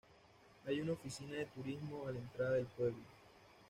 Hay una oficina de turismo a la entrada del pueblo.